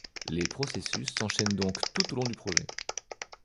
Les processus s’enchaînent donc tout au long du projet.